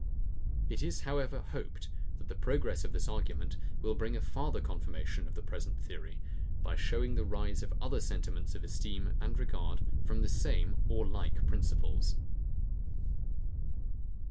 It is however hoped, that the progress of this argument will bring a farther confirmation of the present theory, by showing the rise of other sentiments of esteem and regard from the same or like principles.